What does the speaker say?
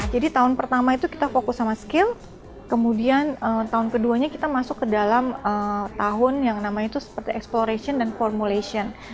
jadi tahun pertama itu kita fokus sama skill kemudian tahun keduanya kita masuk ke dalam tahun yang namanya itu seperti exploration dan formulation